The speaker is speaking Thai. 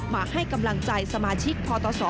มาให้กำลังใจสมาชิกพศ